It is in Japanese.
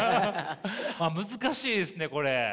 難しいですねこれ。